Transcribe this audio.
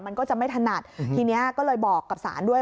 มันก็จะไม่ถนัดทีนี้ก็เลยบอกกับศาลด้วย